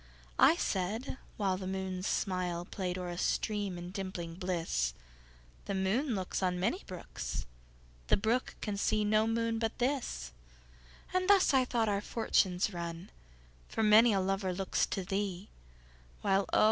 I said (whileThe moon's smilePlay'd o'er a stream, in dimpling bliss),The moon looksOn many brooks, The brook can see no moon but this; And thus, I thought, our fortunes run, For many a lover looks to thee, While oh!